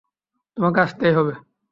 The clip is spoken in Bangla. তোমাকে আসতেই হবে!